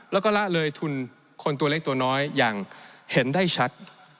แล้วก็ละเลยทุนคนตัวเล็กตัวน้อยอย่างเห็นได้ชัด